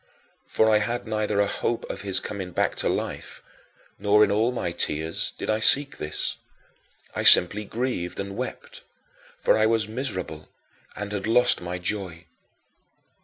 For I had neither a hope of his coming back to life, nor in all my tears did I seek this. I simply grieved and wept, for I was miserable and had lost my joy.